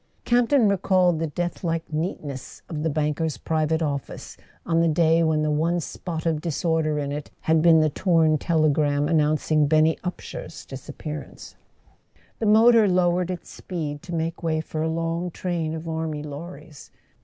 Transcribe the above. Camp ton recalled the deathlike neatness of the banker's private office on the day when the one spot of disorder in it had been the torn telegram announcing Benny Upsher's disappearance. The motor lowered its speed to make way for a long train of army lorries.